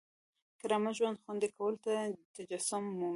کرامت ژوند خوندي کولو کې تجسم مومي.